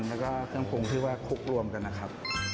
แล้วก็เครื่องปรุงที่ว่าคลุกรวมกันนะครับ